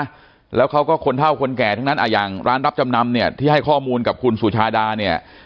แล้วเขาก็คนเท่าคนแก่ทั้งนั้นอ่ะอย่างร้านรับจำนำเนี่ยที่ให้ข้อมูลกับคุณสุชาดาเนี่ย